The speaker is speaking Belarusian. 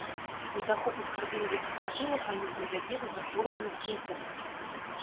Недахоп аскарбінавай кіслаты ў арганізме вядзе да захворвання цынгой.